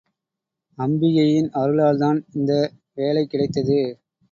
அம்பிகையின் அருளால்தான் இந்த வேலை கிடைத்தது.